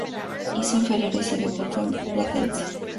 Hizo inferiores y debutó en Platense.